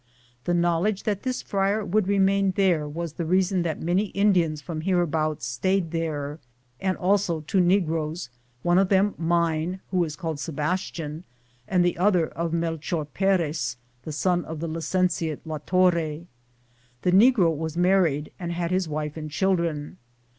The knowledge that this friar would remain there was the reason that many In dians from hereabouts stayed there, and also two negroes, one of them mine, who was called Sebastian, and the other one of Mel chor Perez, the son of the licentiate la Torre. This negro was married and had his wife and children.